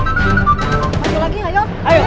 apakah kamu berani setup love